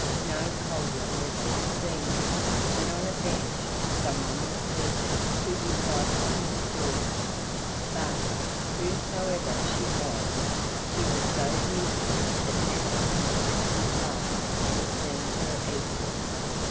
No cauldron was to be seen there, but on a bench someone was seated who was like a king's daughter, but, whosoever she was, she was so beautiful that never in the Prince's life had he seen her equal.